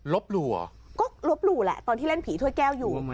หลู่เหรอก็ลบหลู่แหละตอนที่เล่นผีถ้วยแก้วอยู่